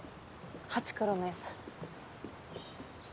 「ハチクロ」のやつ。